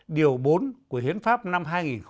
điều bốn của hiến pháp năm hai nghìn một mươi ba